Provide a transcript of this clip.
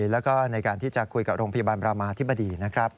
แล้วก็ในการที่จะคุยกับโรงพยาบาลบรามาธิบดีนะครับ